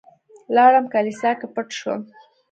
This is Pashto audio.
لاړم کليسا کې پټ شوم.